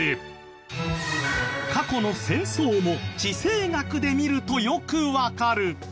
過去の戦争も地政学で見るとよくわかる。